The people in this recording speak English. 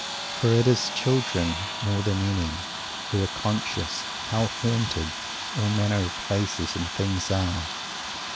For it is children, more than any, who are conscious how "haunted" all manner of places and things are.